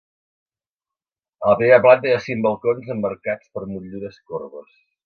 A la primera planta hi ha cinc balcons emmarcats per motllures corbes.